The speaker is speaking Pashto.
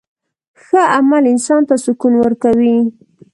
ښه عمل انسان ته سکون ورکوي.